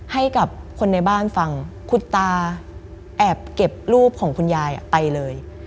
ให้กับคนในบ้านฟังคุณตาแอบเก็บรูปของคุณยายไปเลย